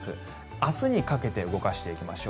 明日にかけて動かしていきましょう。